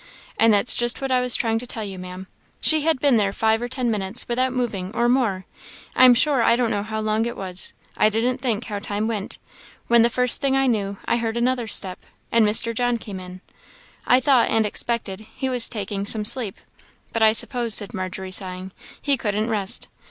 "And that's just what I was trying to tell you, Ma'am. She had been there five or ten minutes without moving, or more I am sure I don't know how long it was, I didn't think how time went when the first thing I knew I heard another step, and Mr. John came in. I thought, and expected, he was taking some sleep; but I suppose," said Margery, sighing, "he couldn't rest.